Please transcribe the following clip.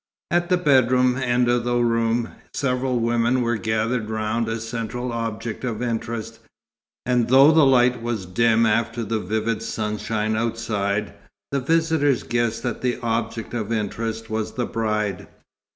At the bedroom end of the room, several women were gathered round a central object of interest, and though the light was dim after the vivid sunshine outside, the visitors guessed that the object of interest was the bride.